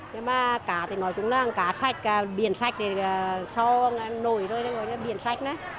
nhưng mà cá thì nói chúng là cá sạch cá biển sạch thì sau nổi rồi nó gọi là biển sạch đó